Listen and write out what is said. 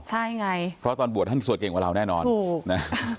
ใช่ไงเพราะตอนบวชท่านสวดเก่งกว่าเราแน่นอนถูกนะ